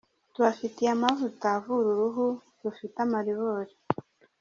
Tubafitiye amavuta avura uruhu rufite amaribori.